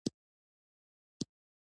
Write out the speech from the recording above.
واک او شوروي اتحاد دواړه وپاشل شول.